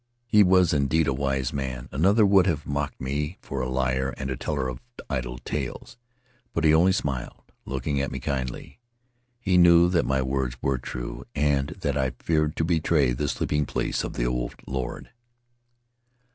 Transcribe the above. He was indeed a wise man; another would have mocked me for a liar and a teller of idle tales, but he only smiled, looking at me kindly — he knew that my words were true and that I feared to betray the sleeping place of the Old Lord."